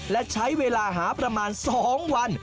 และใช้เวลาหาประมาณ๒วัน